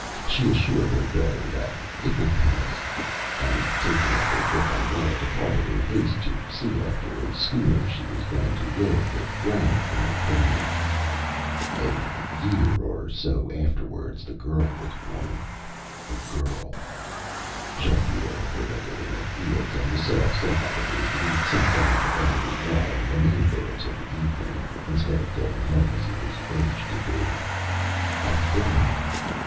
She assured her daughter that ÂIt will pass;Â and taking up her thick umbrella, departed in haste to see after a schooner she was going to load with granite from her quarry. A year or so afterwards the girl was born. A girl. Jean Pierre heard of it in the fields, and was so upset by the news that he sat down on the boundary wall and remained there till the evening, instead of going home as he was urged to do. A girl!